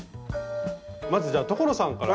まずじゃあ所さんから。